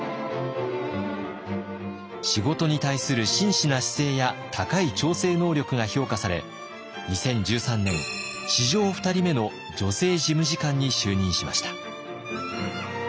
仕事に対する真摯な姿勢や高い調整能力が評価され２０１３年史上２人目の女性事務次官に就任しました。